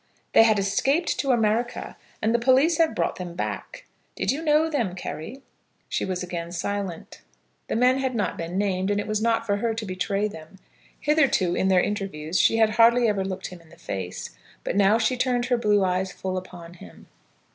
"They had escaped to America, and the police have brought them back. Did you know them, Carry?" She was again silent. The men had not been named, and it was not for her to betray them. Hitherto, in their interviews, she had hardly ever looked him in the face, but now she turned her blue eyes full upon him.